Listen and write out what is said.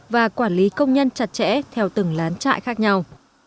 và quản lý công nhân chặt chẽ theo từng lán trại khác nhau